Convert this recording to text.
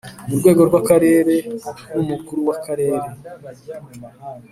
murwego rw' akarere n' umukuru w' akarere